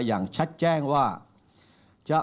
อย่างชัดแจ้งว่าจะ